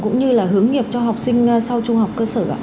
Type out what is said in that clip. cũng như là hướng nghiệp cho học sinh sau trung học cơ sở ạ